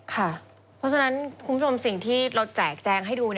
เพราะฉะนั้นคุณผู้ชมสิ่งที่เราแจกแจงให้ดู